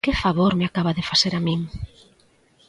¡Que favor me acaba de facer a min!